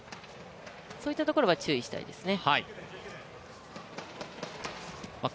そういったところは注意したいですね。